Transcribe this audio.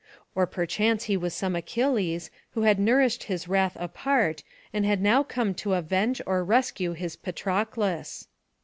Or perchance he was some Achilles, who had nourished his wrath apart, and had now come to avenge or rescue his Patroclus.